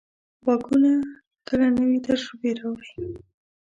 غږونه کله نوې تجربې راوړي.